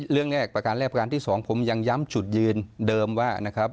เรื่องแรกประการแรกประการที่๒ผมยังย้ำจุดยืนเดิมว่านะครับ